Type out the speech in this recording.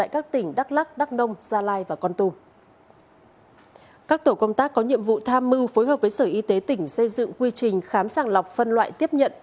các tổ công tác có nhiệm vụ tham mưu phối hợp với sở y tế tỉnh xây dựng quy trình khám sàng lọc phân loại tiếp nhận